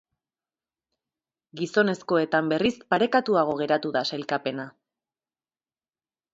Gizonezkoetan, berriz, parekatuago geratu da sailkapena.